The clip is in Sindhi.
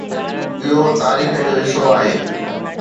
اهو تاريخ جو حصو آهي